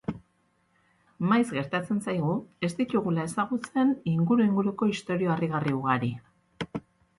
Maiz gertatzen zaigu ez ditugula ezagutzen inguru-inguruko istorio harrigarri ugari.